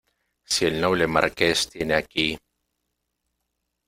si el noble Marqués tiene aquí...